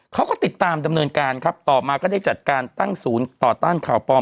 เขาก็ติดตามดำเนินการครับต่อมาก็ได้จัดการตั้งศูนย์ต่อต้านข่าวปลอม